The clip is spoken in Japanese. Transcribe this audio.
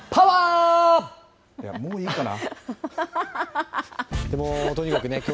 いや、もういいかな。